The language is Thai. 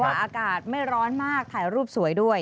อากาศไม่ร้อนมากถ่ายรูปสวยด้วย